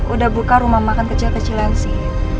udah buka rumah makan kecil kecilan sih